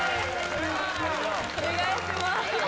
お願いします